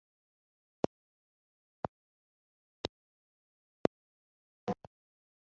Wigeze utekereza ko ibyo bishobora kuba bimwe mubibazo?